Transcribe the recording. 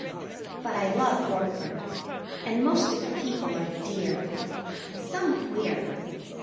But I love Yorkburg, and most of the people are dear. Some queer.